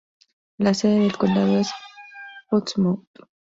La sede del condado es Portsmouth.